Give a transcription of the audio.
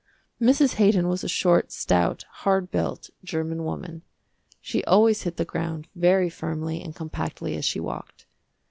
Mrs. Haydon was a short, stout, hard built, german woman. She always hit the ground very firmly and compactly as she walked.